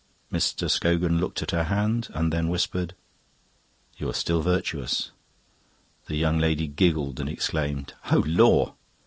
Mr. Scogan looked at her hand, then whispered, "You are still virtuous." The young lady giggled and exclaimed, "Oh, lor'!"